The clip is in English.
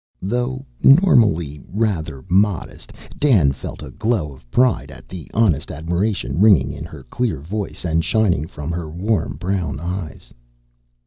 Though normally rather modest, Dan felt a glow of pride at the honest admiration ringing in her clear voice, and shining from her warm brown eyes.